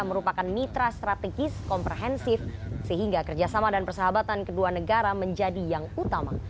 merupakan mitra strategis komprehensif sehingga kerjasama dan persahabatan kedua negara menjadi yang utama